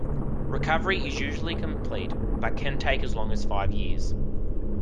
Recovery is usually complete, but can take as long as five years.